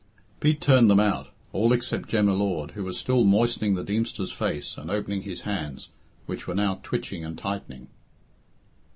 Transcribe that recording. Pete turned them out all except Jem y Lord, who was still moistening the Deemster's face and opening his hands, which were now twitching and tightening.